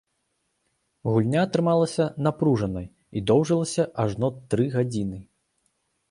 Гульня атрымалася напружанай і доўжылася ажно тры гадзіны.